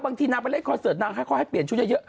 บางทีนะไปเล่นคอลเซอร์ตนะก็ก็ให้เปลี่ยนชุดเยอะ